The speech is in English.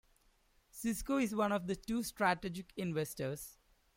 Cisco is one of two strategic investors.